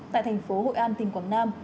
tại thành phố hội an tỉnh quảng nam